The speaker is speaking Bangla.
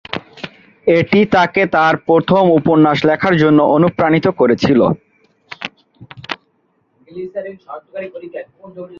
এটি তাকে তার প্রথম উপন্যাস লেখার জন্য অনুপ্রাণিত করেছিল।